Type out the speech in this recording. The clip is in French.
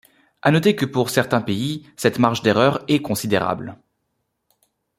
À noter que pour certains pays, cette marge d'erreur est considérable.